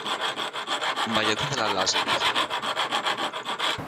Μα γιατί δεν αλλάζει ρούχα;